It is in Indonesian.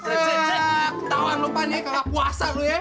eh ketauan lupa nih kagak puasa lo ya